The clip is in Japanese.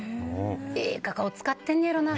ええカカオ使ってんねんやろな。